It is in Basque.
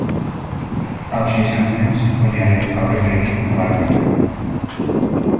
Hauxe izan zen sinfoniaren aurrekaririk nabarmenena.